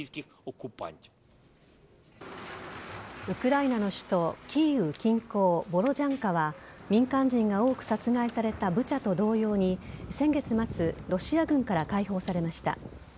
ウクライナの首都キーウ近郊ボロジャンカは民間人が多く殺害されたブチャと同様に先月末ロシア軍から解放されました。